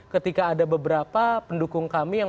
ketika ada beberapa pendukung kami yang